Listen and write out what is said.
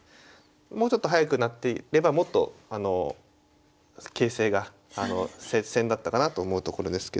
もうちょっと早く成っていればもっと形勢が接戦だったかなと思うところですけど。